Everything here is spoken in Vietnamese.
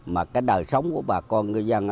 mà cái đời sống của bà con ngư dân